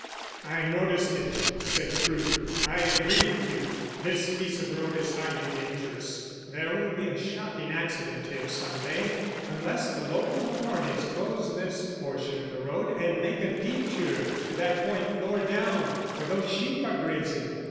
"I noticed it," said Crewe. "I agree with you: this piece of road is highly dangerous. There will be a shocking accident here some day unless the local authorities close this portion of the road and make a detour to that point lower down where those sheep are grazing.